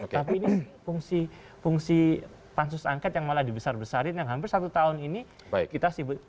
tapi ini fungsi pansus angket yang malah dibesar besarin yang hampir satu tahun ini kita sibuk